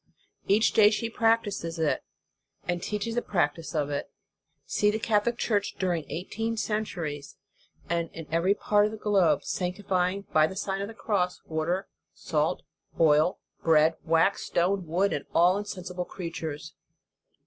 Each day she practises it, and teaches the practice of it. See the Catholic Church during eighteen centuries and in every part of the globe, sanctifying by the Sign of the Cross, water, salt, oil, bread, wax, stone, wood, and all insensible creatures.